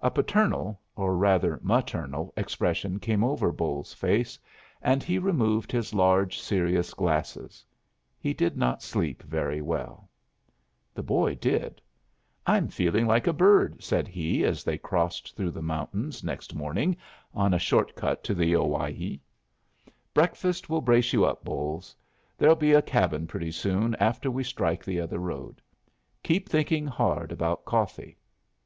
A paternal, or rather maternal, expression came over Bolles's face, and he removed his large, serious glasses. He did not sleep very well. The boy did. "I'm feeling like a bird," said he, as they crossed through the mountains next morning on a short cut to the Owybee. "Breakfast will brace you up, Bolles. There'll be a cabin pretty soon after we strike the other road. Keep thinking hard about coffee."